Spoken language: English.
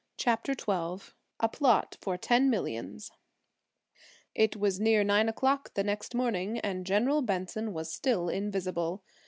CHAPTER XII A PLOT FOR TEN MILLIONS It was near nine o'clock the next morning and General Benson was still invisible.